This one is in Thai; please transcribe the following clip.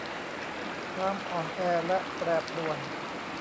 ความอ่อนแอและแปรปรวน